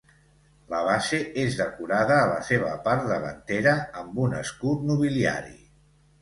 La base és decorada a la seva part davantera amb un escut nobiliari.